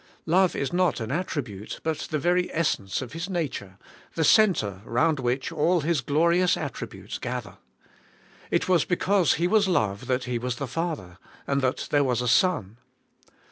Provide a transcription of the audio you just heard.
Love is not an attribute, but the very essence of His / nature, the centre round which all His glorious at tributes gather. It was because He was love that He was the Father, and that there was a Son.